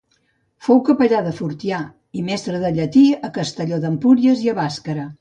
Fou capellà de Fortià i mestre de llatí a Castelló d’Empúries i a Bàscara.